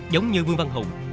giống như vương văn hùng